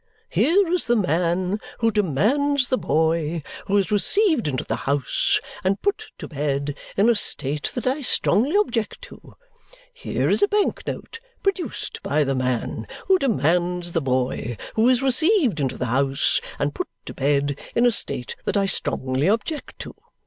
Here is the man who demands the boy who is received into the house and put to bed in a state that I strongly object to. Here is a bank note produced by the man who demands the boy who is received into the house and put to bed in a state that I strongly object to.